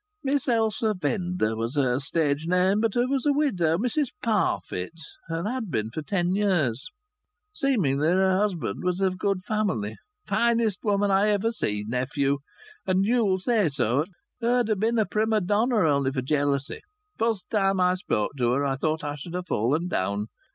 "Miss Elsa Venda was her stage name, but her was a widow, Mrs Parfitt, and had bin for ten years. Seemingly her husband was of good family. Finest woman I ever seed, nephew. And you'll say so. Her'd ha' bin a prima donna only for jealousy. Fust time I spoke to her I thought I should ha' fallen down.